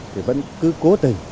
thì vẫn cứ cố tình